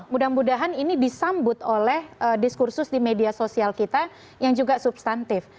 mudah mudahan ini disambut oleh diskursus di media sosial kita yang juga substantif